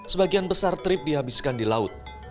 sebagian besar trip dihabiskan di laut